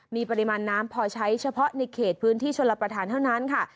มีปริมาณน้ำพอใช้เฉพาะในเขตพื้นที่ชลประธานเท่านั้นค่ะ